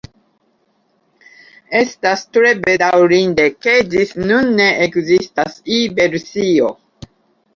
Estas tre bedaŭrinde ke ĝis nun ne ekzistas E-versio.